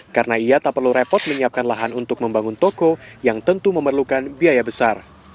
karena ia tak perlu repot menyiapkan lahan untuk membangun toko yang tentu memerlukan biaya besar